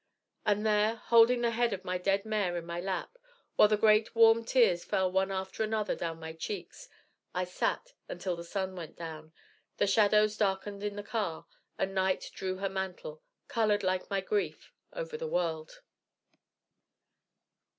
And there, holding the head of my dead mare in my lap, while the great warm tears fell one after another down my cheeks, I sat until the sun went down, the shadows darkened in the car, and night drew her mantle, colored like my grief, over the world."